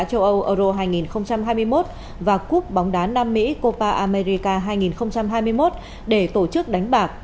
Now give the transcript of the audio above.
châu âu euro hai nghìn hai mươi một và cúp bóng đá nam mỹ copa armerica hai nghìn hai mươi một để tổ chức đánh bạc